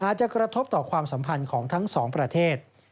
อาจจะกระทบต่อความสัมพันธ์ของทั้งสองประเทศ